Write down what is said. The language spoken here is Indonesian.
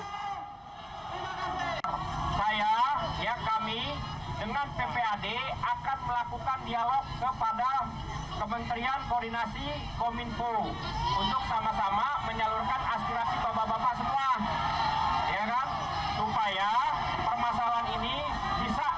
saya ya kami dengan ppad akan melakukan dialog